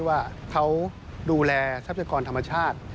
ว่าเขาดูแลทรัพยากรธรรมชาติ